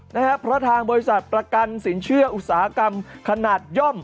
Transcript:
นะฮะเพราะทางบริษัทประกันสินเชื่ออุตสาหกรรมขนาดย่อม